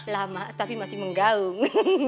lama tapi masih menggaung